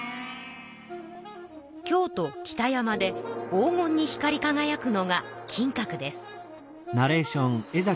京都・北山で黄金に光りかがやくのが金閣です。